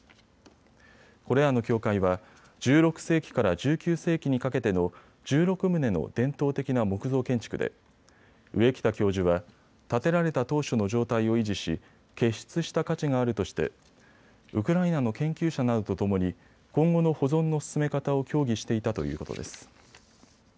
これらの教会は１６世紀から１９世紀にかけての１６棟の伝統的な木造建築で上北教授は、建てられた当初の状態を維持し、傑出した価値があるとしてウクライナの研究者などとともに今後の保存の進め方を協議していたということです。